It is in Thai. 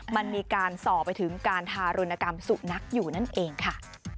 มันมีการส่อไปถึงการทารุณกรรมสุนัขอยู่นั่นเองค่ะ